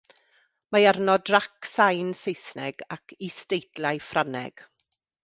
Mae arno drac sain Saesneg ac isdeitlau Ffrangeg.